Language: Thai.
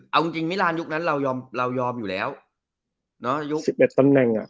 เอาจริงจริงมิรานยุคนั้นเรายอมเรายอมอยู่แล้วเนอะยุค๑๑ตำแหน่งอ่ะ